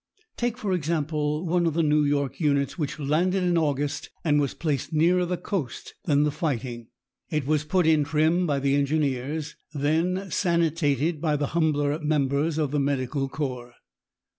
Take, for example, one of the New York units which landed in August and was placed nearer the coast than the fighting. It was put in trim by the engineers, then sanitated by the humbler members of the Medical Corps.